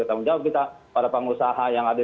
tanggung jawab kita para pengusaha yang ada